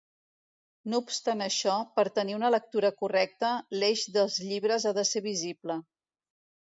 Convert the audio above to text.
No obstant això, per obtenir una lectura correcta, l'eix dels llits ha de ser visible.